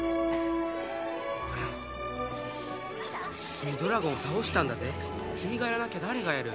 君ドラゴンを倒したんだぜ君がやらなきゃ誰がやる？